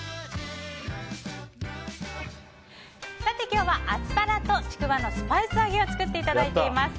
今日はアスパラとちくわのスパイス揚げを作っていただいています。